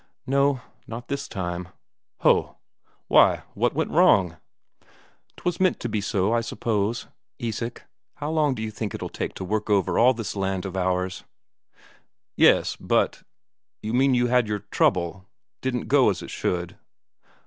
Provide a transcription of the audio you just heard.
"No. Not this time." "Ho. Why, what was wrong? "'Twas meant to be so, I suppose. Isak, how long d'you think it'll take you to work over all this land of ours?" "Yes, but ... you mean you had your trouble didn't go as it should?"